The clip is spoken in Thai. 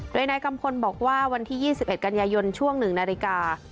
โดยนายกัมพลบอกว่าวันที่๒๑กันยายนช่วง๑นาฬิกา